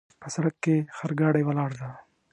په سړک کې خرګاډۍ ولاړ ده